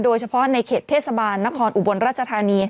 โดยเฉพาะในเขตเทศบาลนครอุบลราชธานี